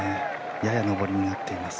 やや上りになっています。